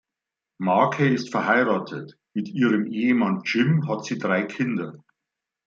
Markey ist verheiratet, mit ihrem Ehemann Jim hat sie drei Kinder.